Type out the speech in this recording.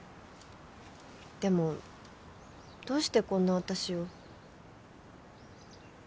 でもどうしてこんな私を？